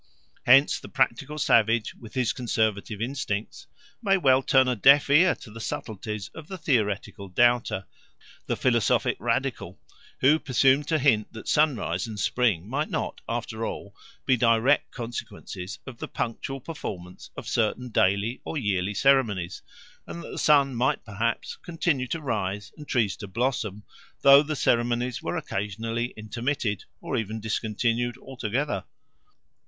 Hence the practical savage, with his conservative instincts, might well turn a deaf ear to the subtleties of the theoretical doubter, the philosophic radical, who presumed to hint that sunrise and spring might not, after all, be direct consequences of the punctual performance of certain daily or yearly ceremonies, and that the sun might perhaps continue to rise and trees to blossom though the ceremonies were occasionally intermitted, or even discontinued altogether.